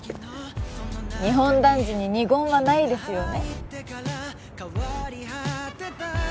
日本男児に二言はないですよね？